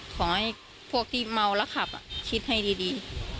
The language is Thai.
ขอให้พวกที่เมาแล้วขับคิดให้ดี